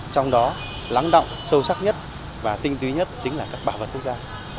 trong đó lắng động sâu sắc nhất và tinh túy nhất chính là các bảo vật quốc gia